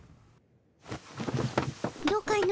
どうかの？